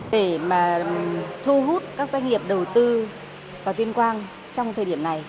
để mà thu hút các doanh nghiệp đầu tư vào tuyên quang trong thời điểm này